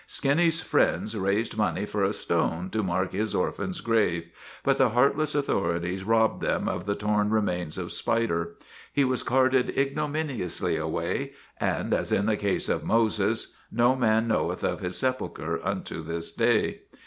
Skinny's friends raised money for a stone to mark his orphan grave, but the heartless authorities robbed them of the torn remains of Spider. He was carted ignominiously away and, as in the case of Moses, no man knoweth of his sepulcher unto this day.